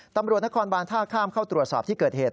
ตำรวจนครบานท่าข้ามเข้าตรวจสอบที่เกิดเหตุ